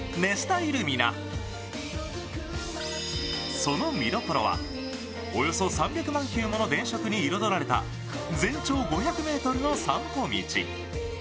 その見どころはおよそ３００万球の電飾に彩られた全長５００ｍの散歩道。